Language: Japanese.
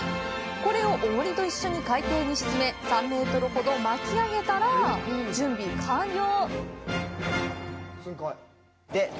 これをおもりと一緒に海底に沈め３メートルほど巻き上げたら準備完了！